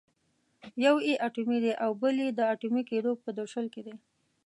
یو یې اټومي دی او بل یې د اټومي کېدو په درشل کې دی.